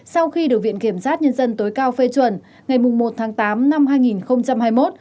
sau khi được viện kiểm sát nhân dân tối cao phê chuẩn ngày một tháng tám năm hai nghìn hai mươi một